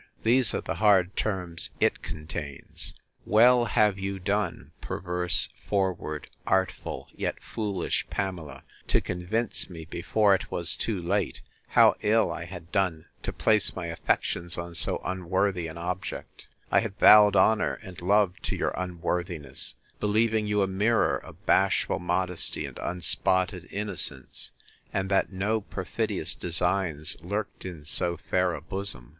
These are the hard terms it contains: 'Well have you done, perverse, forward, artful, yet foolish Pamela, to convince me, before it was too late, how ill I had done to place my affections on so unworthy an object: I had vowed honour and love to your unworthiness, believing you a mirror of bashful modesty and unspotted innocence; and that no perfidious designs lurked in so fair a bosom.